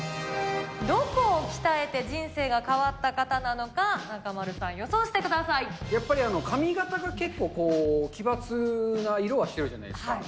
どこを鍛えて人生が変わった方なのか、中丸さん、予想してくやっぱり髪形が結構、奇抜な色はしてるじゃないですか。